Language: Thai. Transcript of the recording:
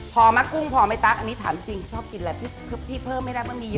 พอมะกุ้งพอไม่ตั๊กอันนี้ถามจริงชอบกินอะไรพี่เพิ่มไม่ได้มันมีเยอะ